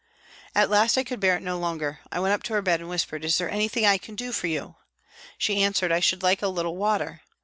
At last I could bear it no longer. I went up to her bed and whispered, " Is there anything I can do for you ?" She answered, " I should like a little water."